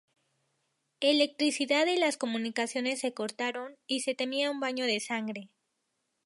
Electricidad y las comunicaciones se cortaron y se temía un baño de sangre.